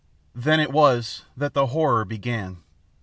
"Then it was that the horror began.